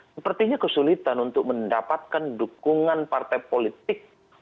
sepertinya kesulitan untuk mendapatkan dukungan partai politik